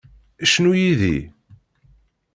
Cnu yid-i.